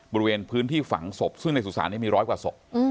บริเวณพื้นที่ฝังศพซึ่งในสุสานนี้มีร้อยกว่าศพ